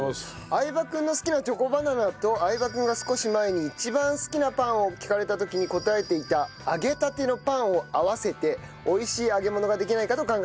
相葉君の好きなチョコバナナと相葉君が少し前に一番好きなパンを聞かれた時に答えていた揚げたてのパンを合わせて美味しい揚げ物ができないかと考えました。